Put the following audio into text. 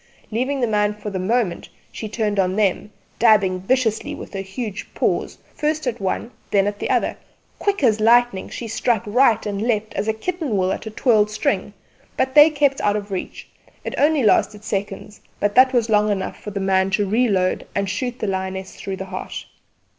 Leaving the man for the moment, she turned on them, dabbing viciously with her huge paws, first at one, then at the other; quick as lightning she struck right and left as a kitten will at a twirled string; but they kept out of reach. It only lasted seconds, but that was long enough for the man to reload and shoot the lioness through the heart.